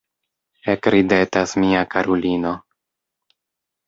Ekridetas mia karulino.